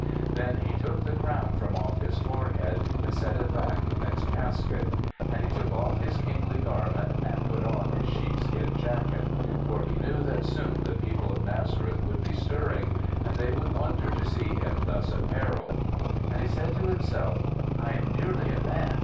Then he took the crown from off his forehead and set it back in its cas ket. And he took off his kingly gar ment and put on his sheepskin jacket ; for he knew that soon the people of Nazareth would be stirring and they would wonder to see him thus ap pareled. And he said to himself, " I am nearly a man.